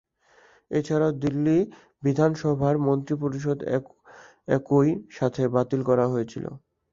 এছাড়াও দিল্লি বিধানসভার মন্ত্রিপরিষদ একই সাথে বাতিল করা হয়েছিল।